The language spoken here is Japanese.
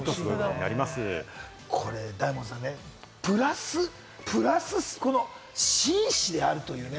大門さん、プラス紳士であるというね。